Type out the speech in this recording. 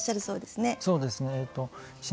そうですね。